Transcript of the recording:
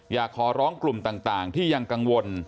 อยากขอร้องกลุ่มต่างที่ยังกังวล